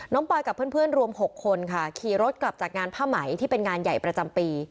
ปอยกับเพื่อนรวม๖คนค่ะขี่รถกลับจากงานผ้าไหมที่เป็นงานใหญ่ประจำปี